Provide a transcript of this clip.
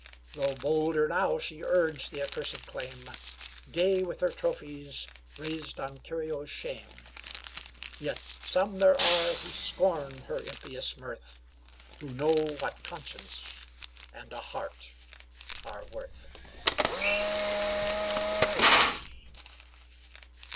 Though bolder now she urge the accursed claim, Gay with her trophies raised on Curio's shame; Yet some there are who scorn her impious mirth, Who know what conscience and a heart are worth.